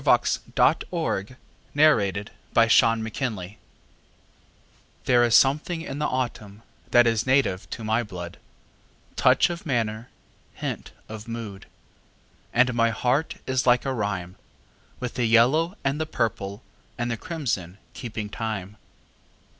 Richard Hovey [1864 1900] A VAGABOND SONG There is something in the autumn that is native to my blood Touch of manner, hint of mood; And my heart is like a rhyme, With the yellow and the purple and the crimson keeping time.